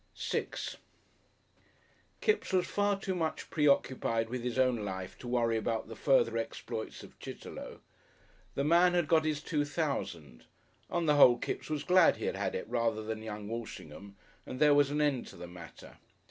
§6 Kipps was far too much preoccupied with his own life to worry about the further exploits of Chitterlow. The man had got his two thousand; on the whole Kipps was glad he had had it rather than young Walshingham, and there was an end to the matter.